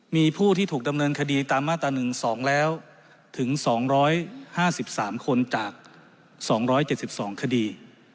มีผู้ที่ถูกดำเนินคดีตามมาตรา๑๒แล้วถึง๒๕๓คนจาก๒๗๒คดี